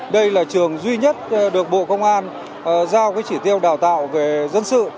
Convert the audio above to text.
đây là trường duy nhất được bộ công an giao chỉ tiêu đào tạo về dân sự